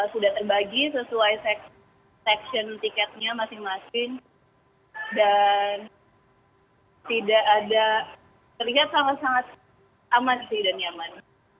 sudah terbagi sesuai section tiketnya masing masing dan tidak ada terlihat sangat sangat aman dan nyaman